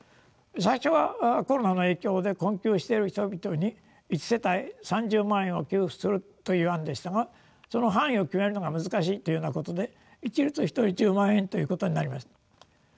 最初はコロナの影響で困窮している人々に一世帯３０万円を給付するという案でしたがその範囲を決めるのが難しいというようなことで一律１人１０万円ということになりました。